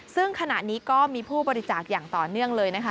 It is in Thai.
ซึ่งขณะนี้ก็มีผู้บริจาคอย่างต่อเนื่องเลยนะคะ